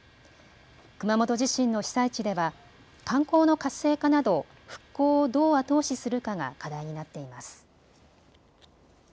熊本地震の被災地では観光の活性化など復興をどう後押しするかが課題になっています。